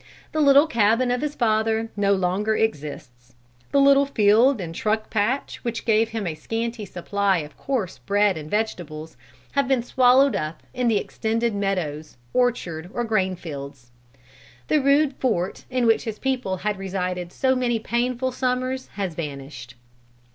The little cabin of his father no longer exists. The little field and truck patch which gave him a scanty supply of coarse bread and vegetables have been swallowed up in the extended meadows, orchard or grain fields. The rude fort in which his people had resided so many painful summers has vanished.